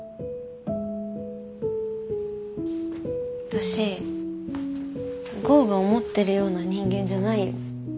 私剛が思ってるような人間じゃないよ。